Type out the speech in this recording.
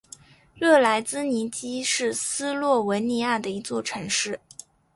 热莱兹尼基是斯洛文尼亚的一座城市。